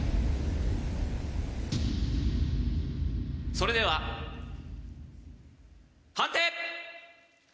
それでは判定！